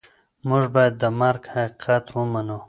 موږ باید د مرګ حقیقت ومنو.